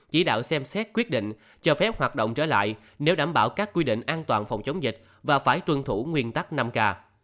chỉ đạo xem xét quyết định cho phép hoạt động trở lại nếu đảm bảo các quy định an toàn phòng chống dịch và phải tuân thủ nguyên tắc năm k